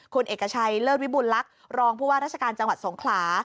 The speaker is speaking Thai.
คุณเอกชัยเลิศวิบุญลักษณ์รองผู้ว่าราชการจังหวัดสงขลา